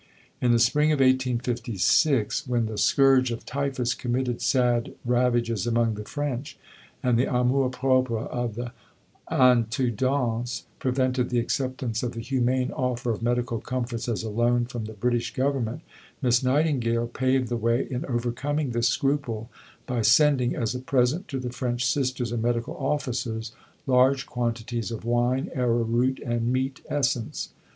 In the spring of 1856, when the scourge of typhus committed sad ravages among the French, and the amour propre of the Intendance prevented the acceptance of the humane offer of medical comforts as a loan from the British Government, Miss Nightingale paved the way in overcoming this scruple by sending, as a present to the French Sisters and Medical Officers, large quantities of wine, arrowroot, and meat essence.